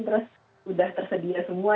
terus sudah tersedia semua